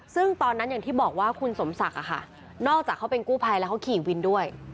ซึ่งตอนนั้นอย่างที่บอกว่าคุณสมศักดิ์นอกจากเขาเป็นกู้ภัยแล้วเขาขี่วินด้วย